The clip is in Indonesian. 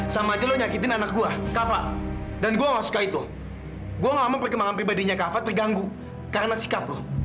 sampai jumpa di video selanjutnya